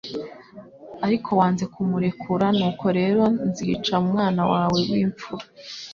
ariko wanze kumurekura; nuko rero nzica umwana wawe w'imfura!"